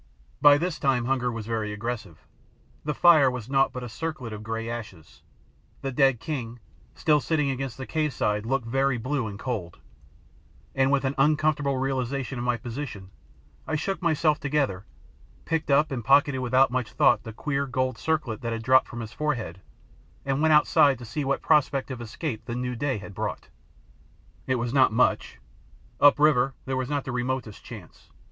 By this time hunger was very aggressive. The fire was naught but a circlet of grey ashes; the dead king, still sitting against the cave side, looked very blue and cold, and with an uncomfortable realisation of my position I shook myself together, picked up and pocketed without much thought the queer gold circlet that had dropped from his forehead, and went outside to see what prospect of escape the new day had brought. It was not much. Upriver there was not the remotest chance.